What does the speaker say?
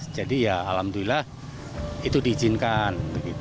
jadi ya alhamdulillah itu diizinkan